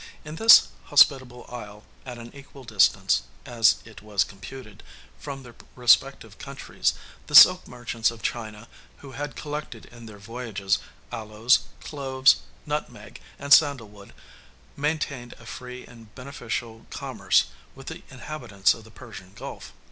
In this hospitable isle, at an equal distance (as it was computed) from their respective countries, the silk merchants of China, who had collected in their voyages aloes, cloves, nutmeg, and sandal wood, maintained a free and beneficial commerce with the inhabitants of the Persian Gulf.